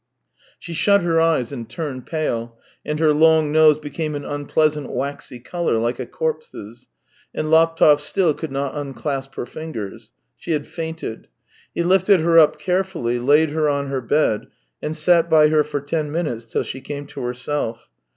She shut her eyes and turned pale, and her long 238 THE TALES OF TCHEHOV nose became an unpleasant waxy colour like a corpse's, and Laptev still could not unclasp her fingers. She had fainted. He lifted her up carefully, laid her on her bed, and sat by her for ten minutes till she came to herself.